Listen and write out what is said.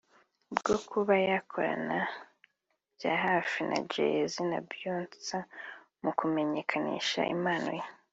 bwo kuba yakorana bya hafi na Jayz na Beyonce mu kumenyekanisha impano ye